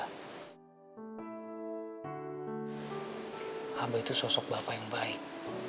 hamba itu sosok bapak yang baik